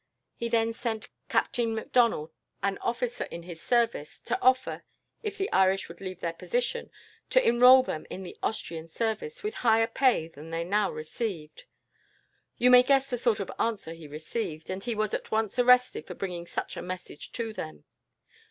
He then sent Captain MacDonnell, an officer in his service, to offer, if the Irish would leave their position, to enrol them in the Austrian service, with higher pay than they now received. You may guess the sort of answer he received, and he was at once arrested for bringing such a message to them.